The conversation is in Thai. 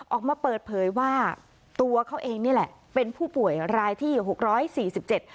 ออกมาเปิดเผยว่าตัวเขาเองนี่แหละเป็นผู้ป่วยรายที่หกร้อยสี่สิบเจ็ด